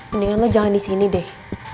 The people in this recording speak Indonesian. mendingan lo jangan disini deh